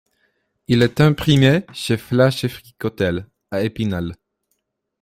Il est imprimé chez Flash & Fricotel, à Épinal.